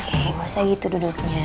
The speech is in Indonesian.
gak usah gitu duduknya